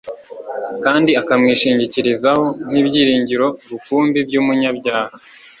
kandi akamwishingikirizaho nk'ibyiringiro rukumbi by'umunyabyaha.